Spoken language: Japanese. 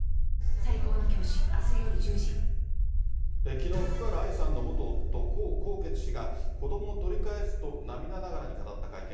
きのう、福原愛さんの元夫、江宏傑氏が、子どもを取り返すと、涙ながらに語った会見。